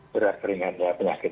berat ringan ya penyakit